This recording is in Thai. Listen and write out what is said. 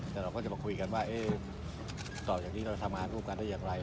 แต่เราก็จะมาคุยกันว่าต่อจากนี้เราทำงานร่วมกันได้อย่างไร